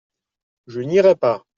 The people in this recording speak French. Je n’irai pas.